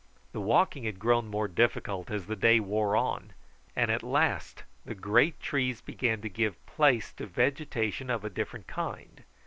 The walking had grown more difficult as the day wore on, and at last the great trees began to give place to vegetation of a different kind.